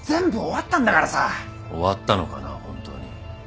終わったのかな本当に。